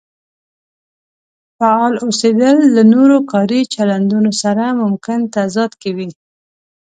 فعال اوسېدل له نورو کاري چلندونو سره ممکن تضاد کې وي.